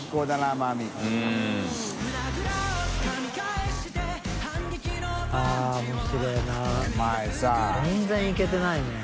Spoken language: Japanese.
阿機全然いけてないね。